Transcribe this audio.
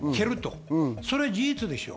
それは事実でしょう。